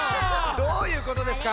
どういうことですか？